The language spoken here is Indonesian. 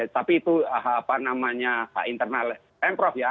tapi itu apa namanya internal pemprov ya